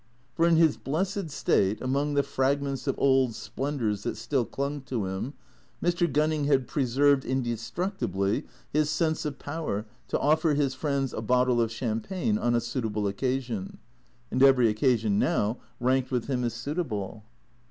For in his blessed state, among the fragments of old splen dours that still clung to him, Mr. Gunning had preserved inde structibly his sense of power to offer his friends a bottle of cham pagne on a suitable occasion, and every occasion now ranked with him as suitable.